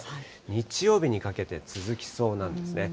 日曜日にかけて続きそうなんですね。